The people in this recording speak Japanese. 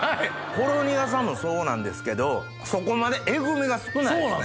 ほろ苦さもそうなんですけどそこまでえぐみが少ないですね。